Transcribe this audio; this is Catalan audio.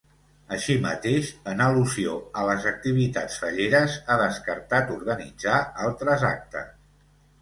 Així mateix, en al·lusió a les activitats falleres, ha descartat organitzar altres actes.